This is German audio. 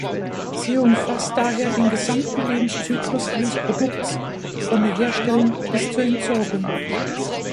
Sie umfasst daher den gesamten Lebenszyklus eines Produkts von der Herstellung bis zur Entsorgung.